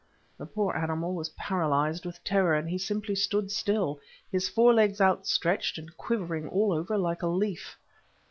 The poor animal was paralyzed with terror, and he simply stood still, his fore legs outstretched, and quivering all over like a leaf.